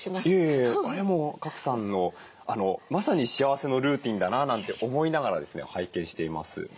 いえいえあれも賀来さんのまさに幸せのルーティンだななんて思いながらですね拝見しています。